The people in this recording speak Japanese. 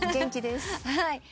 はい。